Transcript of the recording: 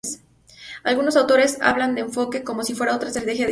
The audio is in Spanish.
Algunos autores hablan del "enfoque" como si fuera otra estrategia en sí misma.